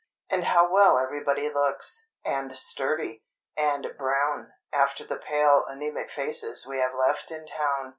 And how well everybody looks, and sturdy, and brown, after the pale anæmic faces we have left in town!